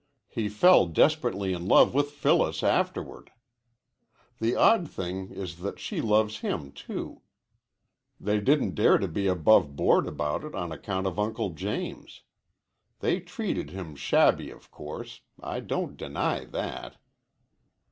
He fell desperately in love with Phyllis afterward. The odd thing is that she loves him, too. They didn't dare to be above board about it on account of Uncle James. They treated him shabbily, of course. I don't deny that."